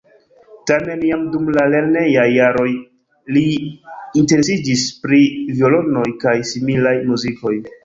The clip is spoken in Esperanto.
Tamen jam dum la lernejaj jaroj li interesiĝis pri violonoj kaj similaj muzikiloj.